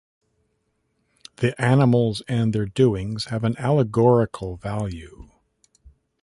The animals and their doings have an allegorical value.